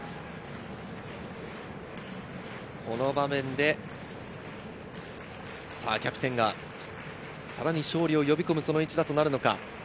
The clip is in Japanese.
この場面でキャプテンがさらに勝利を呼び込む一打となるのか。